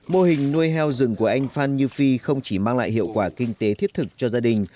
mô hình nuôi heo rừng của anh phan như phi không chỉ mang lại hiệu quả kinh tế thiết thực cho gia đình